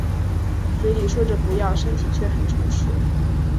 嘴里说着不要身体却很诚实